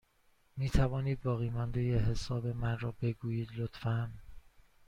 می توانید باقیمانده حساب من را بگویید، لطفا؟